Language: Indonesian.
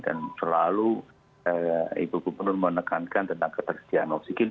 dan selalu ibu gubernur menekankan tentang ketersediaan oksigen